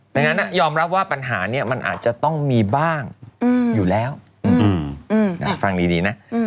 ดังนั้นยอมรับว่าปัญหานี้มันอาจจะต้องมีบ้างอยู่แล้วฟังดีนะ